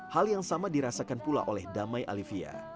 hal yang sama dirasakan pula oleh damai alivia